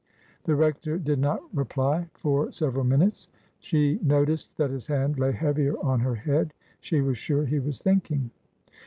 '* The rector did not reply for several minutes. She noticed that his hand lay heavier on her head ; she was sure he was thinking.